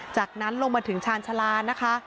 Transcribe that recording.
จากนั้นลงมาถึงชาญชาลานะคะ